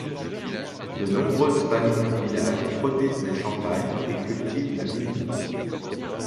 De nombreuses familles du village produisent le champagne et cultivent la vigne.